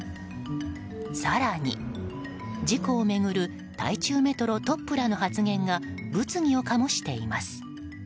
更に事故を巡る台中メトロトップらの発言が物議を醸しています。